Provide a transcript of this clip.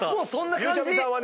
ゆうちゃみさんはね